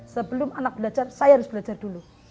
sebelum anak belajar saya harus belajar dulu